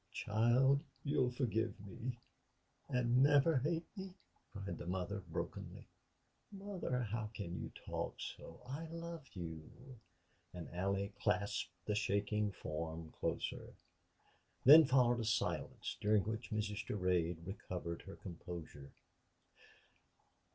"Child you'll forgive me and never hate me?" cried the mother, brokenly. "Mother, how can you talk so! I love you." And Allie clasped the shaking form closer. Then followed a silence during which Mrs. Durade recovered her composure.